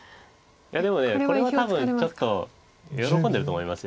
いやでもこれは多分ちょっと喜んでると思います。